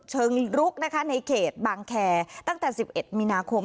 เชิงลุกนะคะในเขตบางแคร์ตั้งแต่๑๑มีนาคม